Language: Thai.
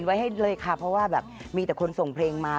ไว้ให้เลยค่ะเพราะว่าแบบมีแต่คนส่งเพลงมา